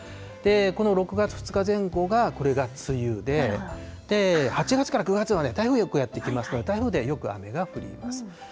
この６月２日前後が、これが梅雨で、８月から９月まで台風よくやって来ますから、台風ではよく雨が降ります。